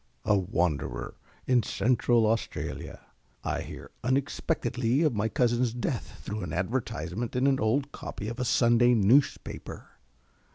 A wanderer in Central Australia, I hear unexpectedly of my cousin's death through an advertisement in an old copy of a Sunday newspaper.